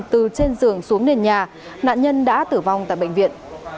từ trên giường xuống nền nhà nạn nhân đã tử vong tại bệnh viện